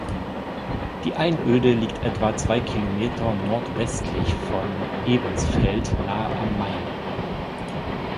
Die Einöde liegt etwa zwei Kilometer nordwestlich von Ebensfeld nahe am Main.